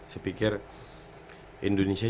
saya pikir indonesia